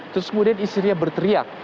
terus kemudian istrinya berteriak